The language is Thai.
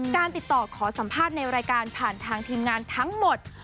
ติดต่อขอสัมภาษณ์ในรายการผ่านทางทีมงานทั้งหมด